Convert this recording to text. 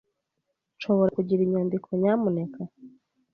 Nshobora kugira inyandiko, nyamuneka?